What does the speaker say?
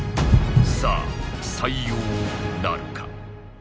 さあ採用なるか？